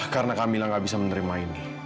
karena kamilah nggak bisa menerima ini